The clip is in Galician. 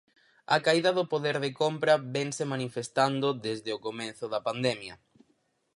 A caída do poder de compra vense manifestando desde o comezo da pandemia.